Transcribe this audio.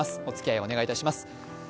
おつきあいをお願いいたします。